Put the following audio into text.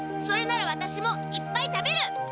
それならワタシもいっぱい食べる！